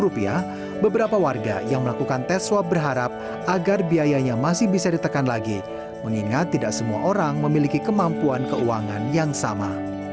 rp beberapa warga yang melakukan tes swab berharap agar biayanya masih bisa ditekan lagi mengingat tidak semua orang memiliki kemampuan keuangan yang sama